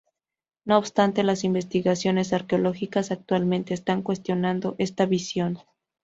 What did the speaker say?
No obstante, las investigaciones arqueológicas actualmente están cuestionando esta visión.